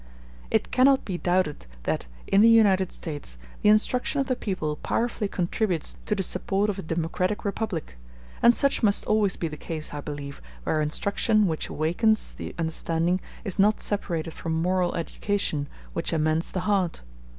*k It cannot be doubted that, in the United States, the instruction of the people powerfully contributes to the support of a democratic republic; and such must always be the case, I believe, where instruction which awakens the understanding is not separated from moral education which amends the heart.